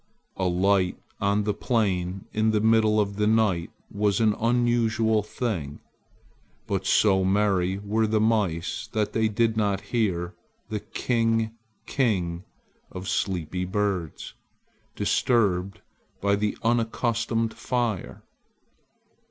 A light on the plain in the middle of the night was an unusual thing. But so merry were the mice they did not hear the "king, king" of sleepy birds, disturbed by the unaccustomed fire.